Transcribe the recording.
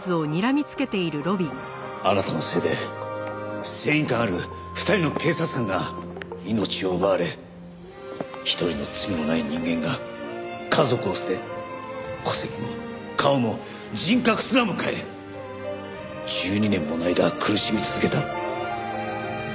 あなたのせいで正義感ある２人の警察官が命を奪われ一人の罪のない人間が家族を捨て戸籍も顔も人格すらも変え１２年もの間苦しみ続けた。